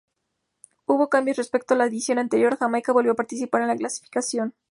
Hubo cambios respecto de la edición anterior: Jamaica volvió a participar en la clasificación.